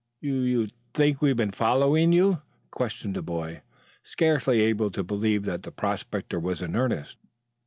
"You you think we have been following you?" questioned the boy, scarcely able to believe that the prospector was in earnest.